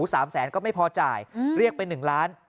๓แสนก็ไม่พอจ่ายเรียกไป๑ล้าน